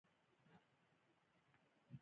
او مېرمايي يې د درخانۍ